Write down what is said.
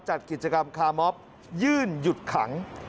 จัดกิจกรรมคาร์มอบยื่นหยุดขัง